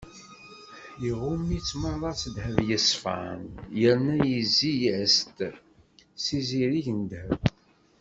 Iɣumm-itt meṛṛa s ddheb yeṣfan yerna yezzi-as-d s izirig n ddheb.